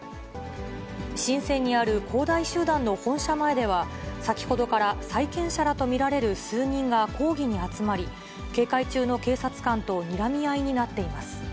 深センにある恒大集団の本社前では、先ほどから、債権者らと見られる数人が抗議に集まり、警戒中の警察官とにらみ合いになっています。